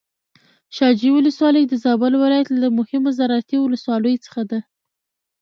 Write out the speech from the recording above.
شاه جوی ولسوالي د زابل ولايت له مهمو زراعتي ولسواليو څخه ده.